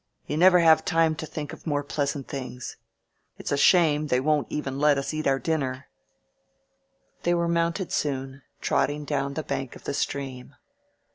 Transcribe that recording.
You never have time to think of more pleasant things. It's a shame they won't let us even eat our dinner !" We were mounted soon, trotting down the bank of the stream.